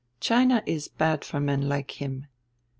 China is bad for men like him.